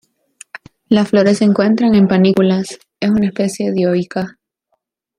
Las flores se encuentran en panículas, es una especie dioica.